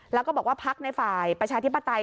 แล้วก็บอกว่าพักในฝ่ายประชาธิปไตย